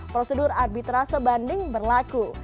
prosedur arbitrase banding berlaku